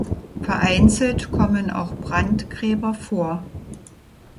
Vereinzelt kommen auch Brandgräber vor.